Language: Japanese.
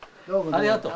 ありがとう。